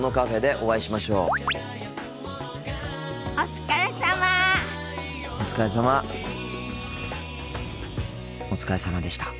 お疲れさまでした。